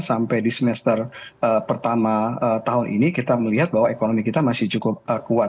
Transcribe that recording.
sampai di semester pertama tahun ini kita melihat bahwa ekonomi kita masih cukup kuat